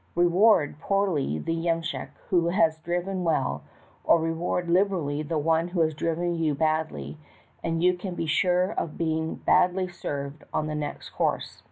Reward poorly the yemshick who has driven well, or reward liberally the one who has driven you badly, and you can be sure of being badly served on the next course.